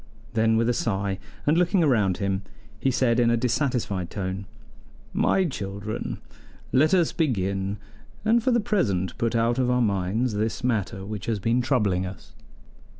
Then with a sigh, and looking round him, he said in a dissatisfied tone: "My children, let us begin, and for the present put out of our minds this matter which has been troubling us."